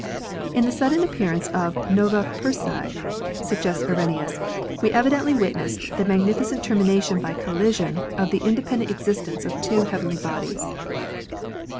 In the sudden appearance of Nova Persei, suggests Arrhenius, we evidently witnessed the magnificent termination by collision of the independent existence of two heavenly bodies.